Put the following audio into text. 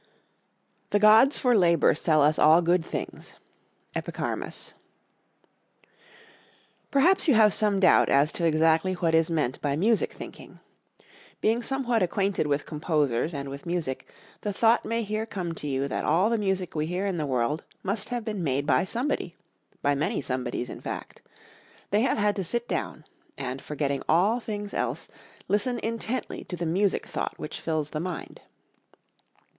"The gods for labor sell us all good things." Epicharmus. Perhaps you have some doubt as to exactly what is meant by music thinking. Being somewhat acquainted with composers and with music, the thought may here come to you that all the music we hear in the world must have been made by somebody by many somebodies, in fact. They have had to sit down, and forgetting all things else, listen intently to the music thought which fills the mind.